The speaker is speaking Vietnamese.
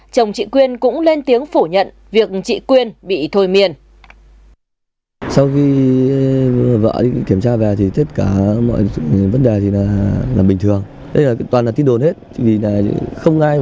chồng trị quyên cũng lên tiếng phổ nhận việc trị quyên